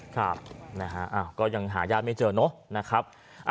ครับอ้าวก็ยังหายาดไม่เจอเนอะนะครับ